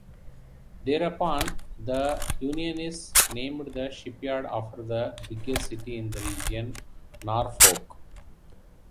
Thereupon the unionists named the shipyard after the biggest city in the region, Norfolk.